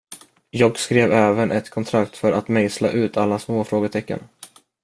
Jag skrev även ett kontrakt för att mejsla ut alla små frågetecken.